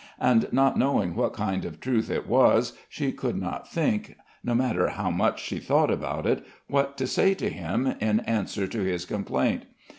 And not knowing what kind of truth it was she could not think, no matter how much she thought about it, what to say to him in answer to his complaint.